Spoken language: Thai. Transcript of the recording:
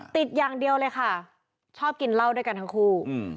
ติดอย่างเดียวเลยค่ะชอบกินเหล้าด้วยกันทั้งคู่